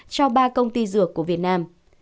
cho ba công ty dược của việt nam